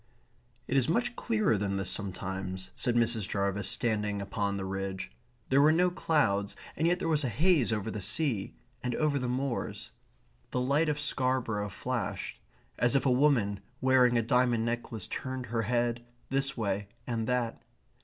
"It is much clearer than this sometimes," said Mrs. Jarvis, standing upon the ridge. There were no clouds, and yet there was a haze over the sea, and over the moors. The lights of Scarborough flashed, as if a woman wearing a diamond necklace turned her head this way and that.